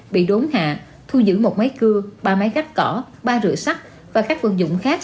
bị đốn hạ thu giữ một máy cưa ba máy gắt cỏ ba rửa sắt và các vận dụng khác